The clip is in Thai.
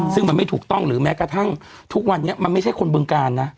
ซึ่งมันไม่ถูกต้องหรือแม้กระทั่งทุกวันนี้มันไม่ใช่คนบึงการนะ